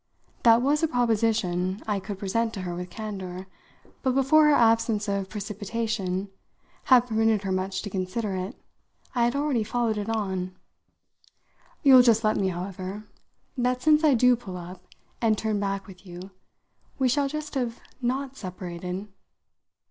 That was a proposition I could present to her with candour, but before her absence of precipitation had permitted her much to consider it I had already followed it on. "You'll just tell me, however, that since I do pull up and turn back with you we shall just have not separated.